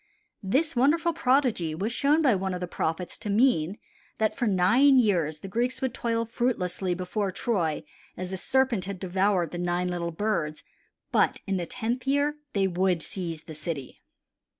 This wonderful prodigy was shown by one of the prophets to mean that for nine years the Greeks would toil fruitlessly before Troy as the serpent had devoured the nine little birds; but in the tenth year they would seize the city.